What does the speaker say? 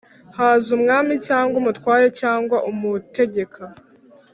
Haza mwami cyangwa umutware cyangwa umutegeka